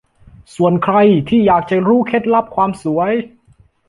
ส่วนใครที่อยากจะรู้เคล็ดลับความสวย